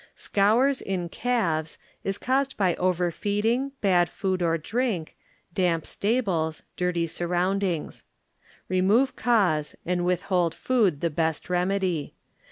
Scours in calves is caused by over feeding, bad food or drink, damp stables, dirty surroundings. Remove cause and withhold food the best remedy.